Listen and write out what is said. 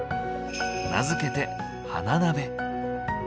名付けて「花鍋」。